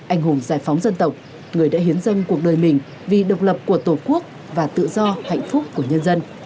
anh hùng giải phóng dân tộc người đã hiến dâng cuộc đời mình vì độc lập của tổ quốc và tự do hạnh phúc của nhân dân